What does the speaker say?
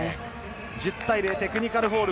１０対０テクニカルフォール。